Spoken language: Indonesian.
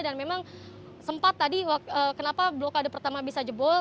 dan memang sempat tadi kenapa blokade pertama bisa jebol